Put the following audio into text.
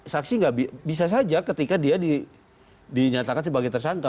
saksi nggak bisa saja ketika dia dinyatakan sebagai tersangka